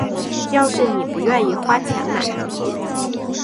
要是妳不愿意花钱买